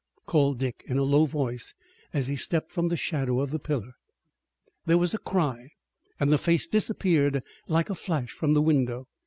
called Dick in a low voice as he stepped from the shadow of the pillar. There was a cry and the face disappeared like a flash from the window.